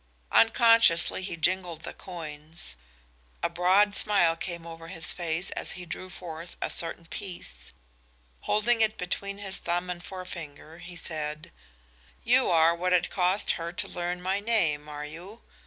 Unconsciously he jingled the coins. A broad smile came over his face as he drew forth a certain piece. Holding it between his thumb and forefinger he said: "You are what it cost her to learn my name, are you?